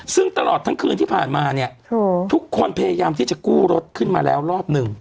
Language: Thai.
ซึ่งตลอดทั้งคืนที่ผ่านมาเนี่ยทุกคนพยายามที่จะกู้รถขึ้นมาแล้วรอบหนึ่ง